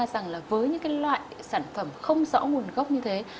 rằng là với những loại sản phẩm không rõ nguồn gốc như thế